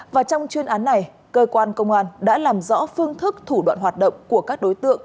và trong chuyên án này cơ quan công an đã làm rõ phương thức thủ đoạn hoạt động của các đối tượng